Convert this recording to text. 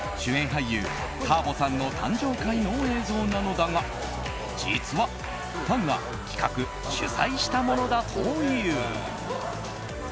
俳優ターボさんの誕生会の映像なのだが実はファンが企画・主催したものだという。